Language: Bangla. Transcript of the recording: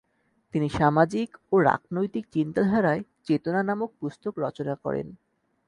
তিনি সামাজিক ও রাকনৈতিক চিন্তাধারায় চেতনা নামক পুস্তক রচনা করেন।